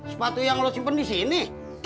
sepatu yang lo simpen di sini